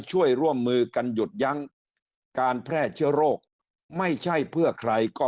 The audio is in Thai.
ร่วมมือกันหยุดยั้งการแพร่เชื้อโรคไม่ใช่เพื่อใครก็